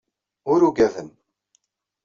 Ur ugaden.